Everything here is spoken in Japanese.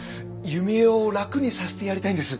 弓枝を楽にさせてやりたいんです。